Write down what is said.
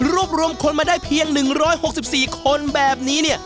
รวบรวมคนมาได้เพียง๑๖๔คนแบบนี้